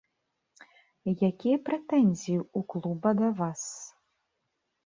Якія прэтэнзіі у клуба да вас?